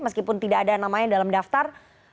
meskipun tidak ada namanya dalam daftar